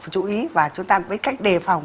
chú ý và chúng ta phải cách đề phòng